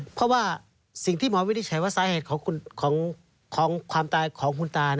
เพราะว่าสิ่งที่หมอวิทย์ใช้ว่าสาเหตุของคุณตา